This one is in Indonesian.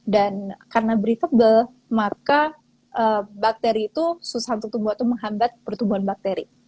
dan karena breathable maka bakteri itu susah untuk tumbuh itu menghambat pertumbuhan bakteri